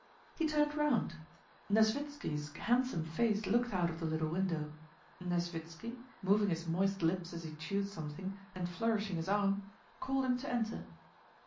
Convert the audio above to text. He turned round. Nesvítski's handsome face looked out of the little window. Nesvítski, moving his moist lips as he chewed something, and flourishing his arm, called him to enter.